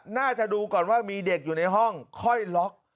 น่าจะดูก่อนว่ามีเด็กอยู่ในห้องค่อยล็อก